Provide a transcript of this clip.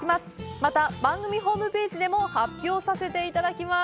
また番組ホームページでも発表させて頂きます